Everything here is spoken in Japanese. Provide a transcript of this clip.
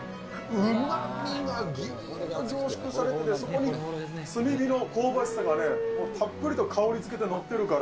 うまみがぎゅーっと凝縮されて、そこに炭火の香ばしさがもうたっぷりと香りつけて載ってるから。